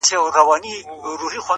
هم جواب دی هم مي سوال دی,